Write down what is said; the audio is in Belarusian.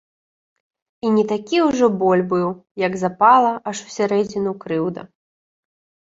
І не такі ўжо боль быў, як запала, аж усярэдзіну, крыўда.